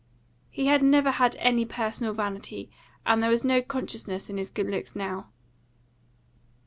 He had never had any personal vanity, and there was no consciousness in his good looks now.